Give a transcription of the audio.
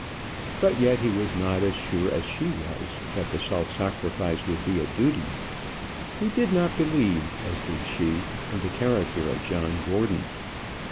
But yet he was not as sure as was she that the self sacrifice would be a duty. He did not believe, as did she, in the character of John Gordon.